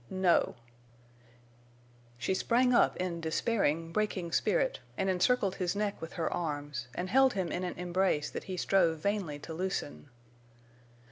"No." She sprang up in despairing, breaking spirit, and encircled his neck with her arms, and held him in an embrace that he strove vainly to loosen.